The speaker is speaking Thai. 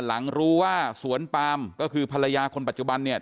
หลังรู้ว่าสวนปามก็คือภรรยาคนปัจจุบันเนี่ย